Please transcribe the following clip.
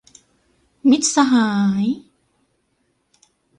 มิตรสหาย